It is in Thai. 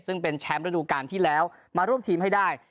ซึ่งเป็นแชมป์ระดูการที่แล้วมาร่วมทีมให้ได้